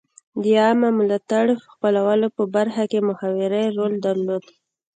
د عامه ملاتړ خپلولو په برخه کې محوري رول درلود.